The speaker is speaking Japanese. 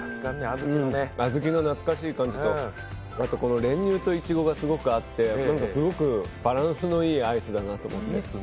小豆の懐かしい感じと、練乳といちごがすごく合って何かすごくバランスのいいアイスだなと思います。